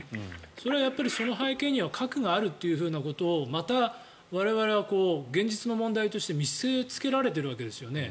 それはその背景には核があるということをまた我々は現実の問題として見せつけられているわけですよね。